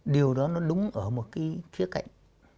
điều đó nó đúng ở một khía cạnh